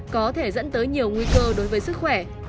có thể dẫn tới nhiều nguy cơ đối với sức khỏe